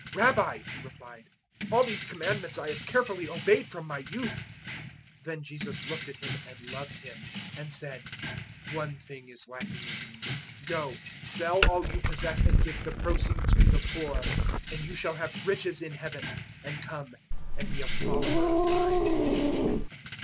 '" 010:020 "Rabbi," he replied, "all these Commandments I have carefully obeyed from my youth." 010:021 Then Jesus looked at him and loved him, and said, "One thing is lacking in you: go, sell all you possess and give the proceeds to the poor, and you shall have riches in Heaven; and come and be a follower of mine."